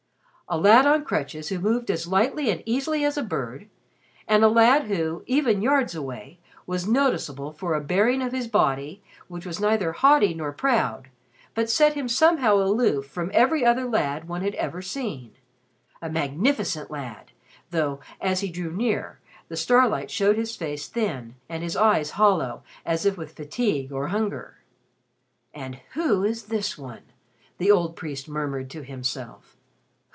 A lad on crutches, who moved as lightly and easily as a bird and a lad who, even yards away, was noticeable for a bearing of his body which was neither haughty nor proud but set him somehow aloof from every other lad one had ever seen. A magnificent lad though, as he drew near, the starlight showed his face thin and his eyes hollow as if with fatigue or hunger. "And who is this one?" the old priest murmured to himself.